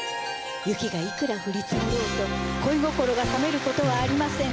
雪がいくら降り積もろうと恋心が冷めることはありません。